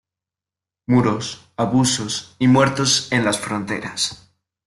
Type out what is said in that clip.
Muros, abusos y muertos en las fronteras.